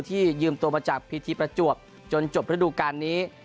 ยืมตัวมาจากพีทีประจวบจนจบระดูการนี้